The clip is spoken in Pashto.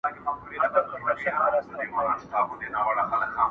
شپه سوه تېره پر اسمان ختلی لمر دی٫